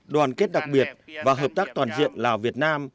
đoàn kết đặc biệt và hợp tác toàn diện lào việt nam